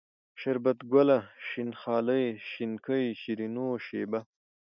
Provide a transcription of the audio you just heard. شربت گله ، شين خالۍ ، شينکۍ ، شيرينو ، شېبه